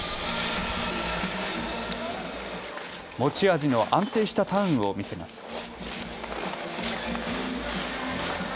持ち味の安定したターンを見せます。